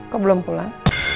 kok belum pulang